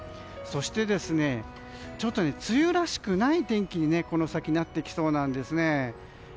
そして梅雨らしくない天気にこの先なってきそうなんですね。